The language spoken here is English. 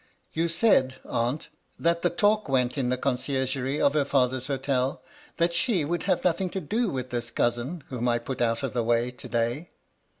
You said, aunt, that the talk went in the conciergerie of her father's hotel, that she would have nothing to do with this cousin whom I put out of the way to day